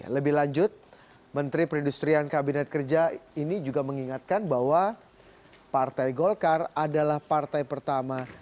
lebih lanjut menteri perindustrian kabinet kerja ini juga mengingatkan bahwa partai golkar adalah partai pertama